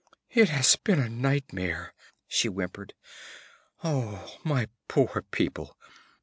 'It has been a nightmare!' she whimpered. 'Oh, my poor people!